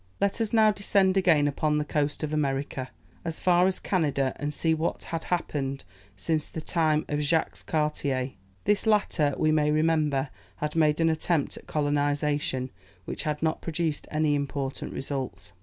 Let us now descend again upon the coast of America, as far as Canada, and see what had happened since the time of Jacques Cartier. This latter, we may remember, had made an attempt at colonization, which had not produced any important results.